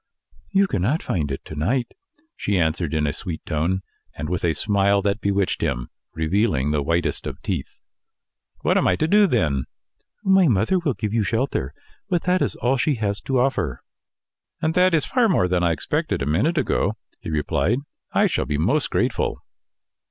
"You cannot find it to night," she answered, in a sweet tone, and with a smile that bewitched him, revealing the whitest of teeth. "What am I to do, then?" "My mother will give you shelter, but that is all she has to offer." "And that is far more than I expected a minute ago," he replied. "I shall be most grateful."